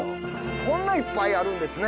こんないっぱいあるんですね。